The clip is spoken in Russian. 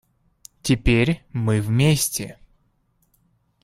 Теперь мы вместе.